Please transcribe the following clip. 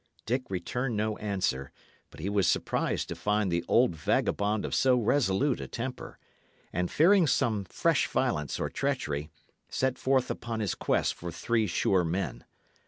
Dick returned no answer; but he was surprised to find the old vagabond of so resolute a temper, and fearing some fresh violence or treachery, set forth upon his quest for three sure men.